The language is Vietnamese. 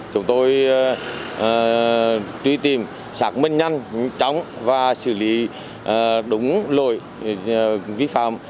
chúng tôi truy tìm xác minh nhanh chóng và xử lý đúng lội vi phạm